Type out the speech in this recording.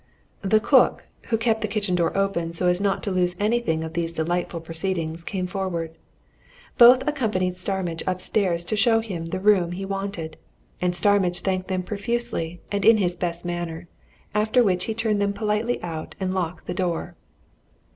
The cook, who kept the kitchen door open so as not to lose anything of these delightful proceedings, came forward. Both accompanied Starmidge upstairs to show him the room he wanted. And Starmidge thanked them profusely and in his best manner after which he turned them politely out and locked the door.